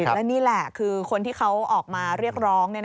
และนี่แหละคือคนที่เขาออกมาเรียกร้อง